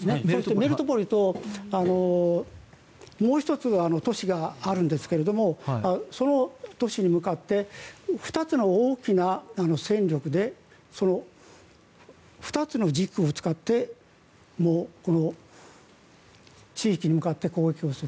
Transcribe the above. メリトポリともう１つ、都市があるんですがその都市に向かって２つの大きな戦力で２つの軸を使ってこの地域に向かって攻撃をする。